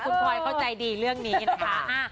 คุณพลอยเข้าใจดีเรื่องนี้นะคะ